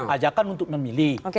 ajakan untuk memilih